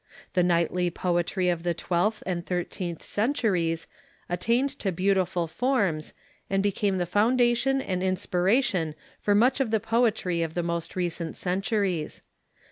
The knightly poetry of the twelfth and thirteenth centuries attained to beautiful forms, and be came the foundation and inspiration for much of the poetry of the most recent centuries.